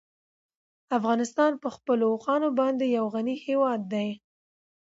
افغانستان په خپلو اوښانو باندې یو غني هېواد دی.